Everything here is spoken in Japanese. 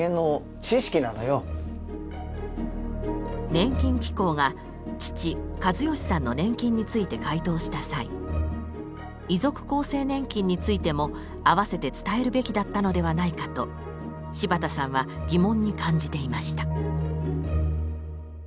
年金機構が父・計義さんの年金について回答した際遺族厚生年金についても併せて伝えるべきだったのではないかと柴田さんは疑問に感じていました。